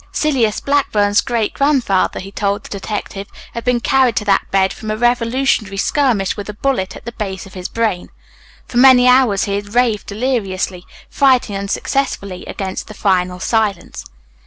Silas Blackburn's great grandfather, he told the detective, had been carried to that bed from a Revolutionary skirmish with a bullet at the base of his brain. For many hours he had raved deliriously, fighting unsuccessfully against the final silence.